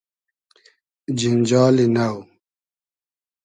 جینجالی نۆ